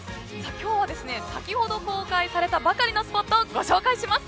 今日は先ほど公開したばかりのスポットをご紹介します。